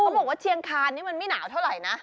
บอกว่าเชียงคานนี่มันไม่หนาวเท่าไหร่นะ